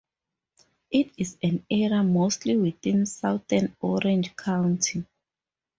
It is an area mostly within southern Orange County.